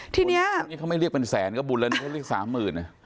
ทีนี้นี่เขาไม่เรียกเป็นแสนก็บุญแล้วนี่เขาเรียกสามหมื่นนะ